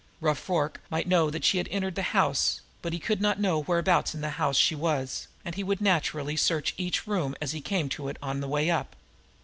Rough Rorke might know she had entered the house, but he could not know whereabouts in the house she was, and he would naturally search each room as he came to it on the way up.